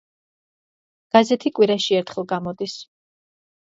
გაზეთი კვირაში ერთხელ გამოდის.